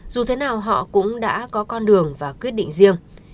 dù thế nào họ cũng đã có con đường và quyết định riêng